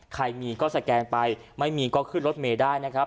ใครมีก็สแกนไปไม่มีก็ขึ้นรถเมย์ได้นะครับ